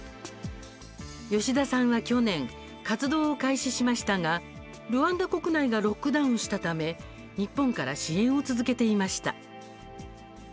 吉田さんは去年、活動を開始しましたが、ルワンダ国内がロックダウンしたため日本から支援を続けていました。